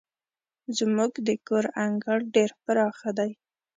زموږ د کور انګړ ډير پراخه دی.